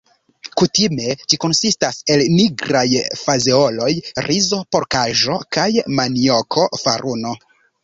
Kutime ĝi konsistas el nigraj fazeoloj, rizo, porkaĵo kaj manioko-faruno.